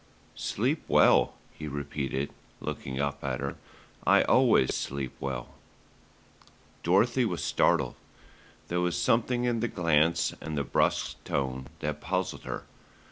"Sleep well," he repeated, looking up at her, "I always sleep well." Dorothy was startled. There was something in the glance and the brusque tone that puzzled her.